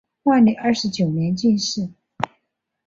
万历二十九年进士。